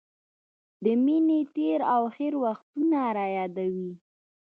د مینې تېر او هېر وختونه رايادوي.